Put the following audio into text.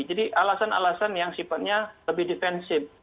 jadi alasan alasan yang sifatnya lebih defensif